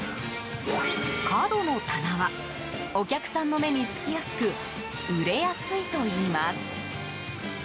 角の棚はお客さんの目につきやすく売れやすいといいます。